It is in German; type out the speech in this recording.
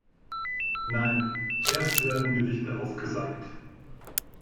Nein, erst werden Gedichte aufgesagt!